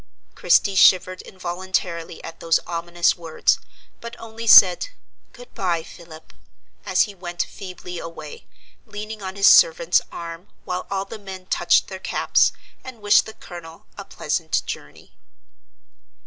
Christie shivered involuntarily at those ominous words, but only said, "Good by, Philip," as he went feebly away, leaning on his servant's arm, while all the men touched their caps and wished the Colonel a pleasant journey.